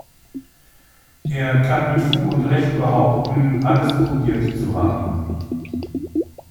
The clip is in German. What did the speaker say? Er kann mit Fug und Recht behaupten, alles probiert zu haben.